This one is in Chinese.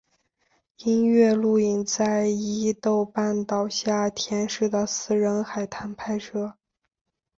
音乐录影带在伊豆半岛下田市的私人海滩拍摄。